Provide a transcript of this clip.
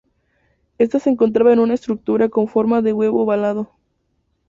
Esta se encontraba en una estructura con forma de huevo ovalado.